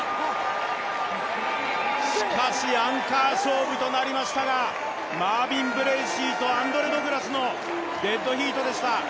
しかし、アンカー勝負となりましたが、マービン・ブレーシーとアンドレ・ド・グラスのデッドヒートでした。